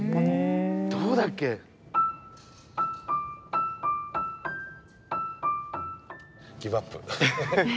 どうだっけ。ギブアップ。